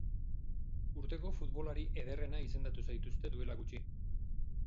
Urteko futbolari ederrena izendatu zaituzte duela gutxi.